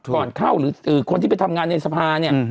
ก่อนเข้าหรือคนที่ไปทำงานในสภาเนี่ย